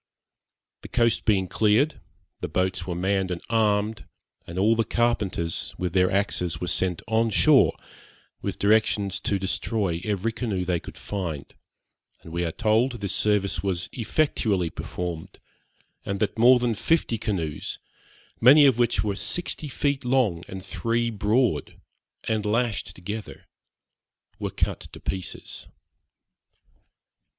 The coast being cleared, the boats were manned and armed, and all the carpenters with their axes were sent on shore, with directions to destroy every canoe they could find; and we are told this service was effectually performed, and that more than fifty canoes, many of which were sixty feet long, and three broad, and lashed together, were cut to pieces.